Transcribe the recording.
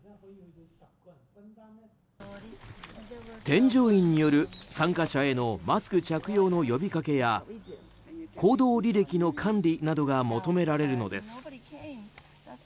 添乗員による参加者へのマスク着用の呼びかけや行動履歴の管理などが求められるのです。